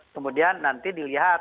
kemudian nanti dilihat